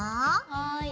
はい。